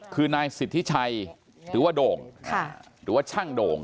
คือนายสิทธิชัยหรือว่าโด่งหรือว่าช่างโด่ง